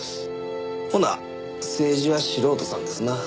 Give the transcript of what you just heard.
ほな政治は素人さんですな。